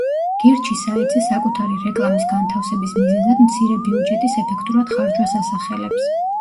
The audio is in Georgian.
გირჩი საიტზე საკუთარი რეკლამის განთავსების მიზეზად მცირე ბიუჯეტის ეფექტურად ხარჯვას ასახელებს.